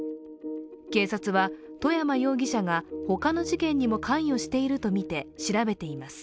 警察は外山容疑者が他の事件にも関与しているとみて調べています。